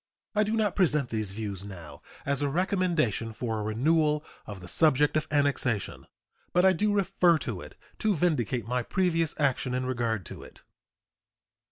I do not present these views now as a recommendation for a renewal of the subject of annexation, but I do refer to it to vindicate my previous action in regard to it.